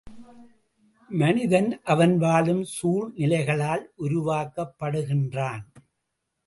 மனிதன், அவன் வாழும் சூழ்நிலைகளால் உருவாக்கப் படுகின்றான்.